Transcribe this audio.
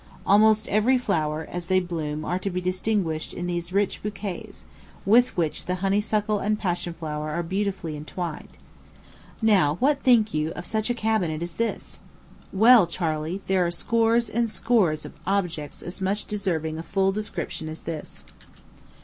Almost every flower, as they bloom, are to be distinguished in these rich bouquets, with which the honeysuckle and passion flower are beautifully entwined. Now, what think you of such a cabinet as this? Well, Charley, there are scores and scores of objects as much deserving a full description as this.